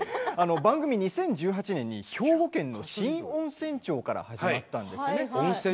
番組は２０１８年に兵庫県の新温泉町から始まったんです。